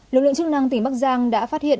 lực lượng chức năng tỉnh bắc giang đã phát hiện